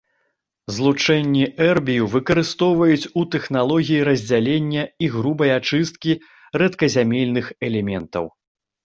Злучэнні эрбію выкарыстоўваюць у тэхналогіі раздзялення і грубай ачысткі рэдказямельных элементаў.